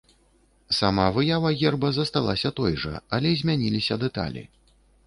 Сама выява герба засталася той жа, але змяніліся дэталі.